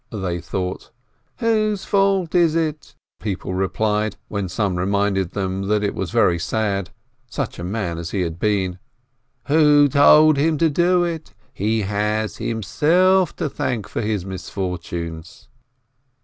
they thought. "Whose fault is it?" people replied, when some one reminded them that it was very sad — such a man as he had been, "Who told him to do it ? He has himself to thank for his misfortunes."